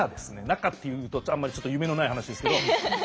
中って言うとあんまりちょっと夢のない話ですけど。